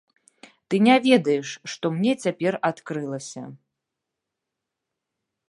Ты не ведаеш, што мне цяпер адкрылася!